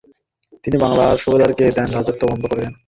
তিনি বাংলার সুবাদারকে দেয় রাজস্ব বন্ধ করে দেন।